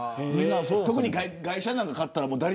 特に外車なんか買ったら。